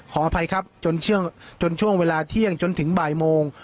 ขออภัยครับจนช่วงเวลาเที่ยงจนถึงบ่ายโมง